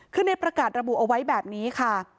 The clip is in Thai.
คือในประกาศระบุเอาไว้แบบนี้ค่ะ